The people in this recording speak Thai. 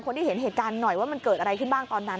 ที่เห็นเหตุการณ์หน่อยว่ามันเกิดอะไรขึ้นบ้างตอนนั้น